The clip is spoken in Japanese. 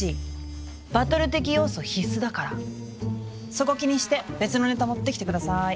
そこ気にして別のネタ持ってきてください。